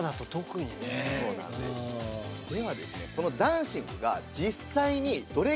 ではですね